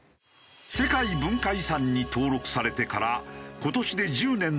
世界文化遺産に登録されてから今年で１０年の富士山。